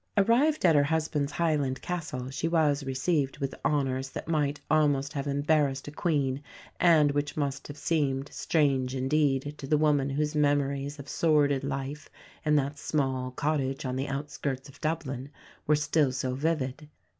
Arrived at her husband's Highland Castle she was received with honours that might almost have embarrassed a Queen, and which must have seemed strange indeed to the woman whose memories of sordid life in that small cottage on the outskirts of Dublin were still so vivid.